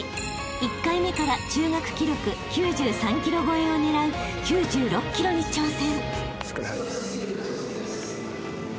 １回目から中学記録９３ｋｇ超えを狙う９６ｋｇに挑戦］